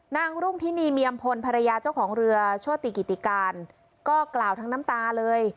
นางรุ่งที่นี่เมียมพลภรรยาเจ้าของเรือช่วงติกิติการก็กล่าวทั้งน้ำตาเลย